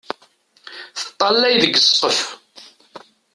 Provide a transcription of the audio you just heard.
Teṭṭalay deg ssqef.